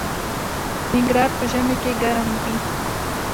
ننګرهار په ژمي کې ګرم وي